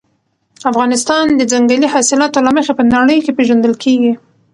افغانستان د ځنګلي حاصلاتو له مخې په نړۍ کې پېژندل کېږي.